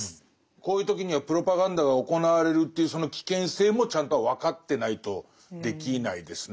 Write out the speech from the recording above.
こういう時にはプロパガンダが行われるというその危険性もちゃんと分かってないとできないですね。